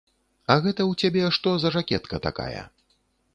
А гэта ў цябе што за жакетка гэтакая?